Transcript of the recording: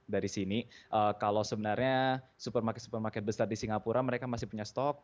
dari sini kalau sebenarnya supermarket supermarket besar di singapura mereka masih punya stok